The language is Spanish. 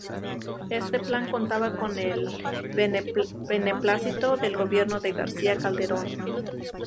Este plan contaba con el beneplácito del gobierno de García Calderón.